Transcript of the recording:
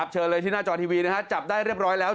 เชิญเลยที่หน้าจอทีวีจับได้เรียบร้อยแล้ว